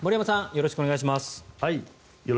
よろしくお願いします。